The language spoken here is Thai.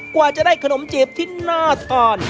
กว่าจะได้ขนมจีบที่น่าทาน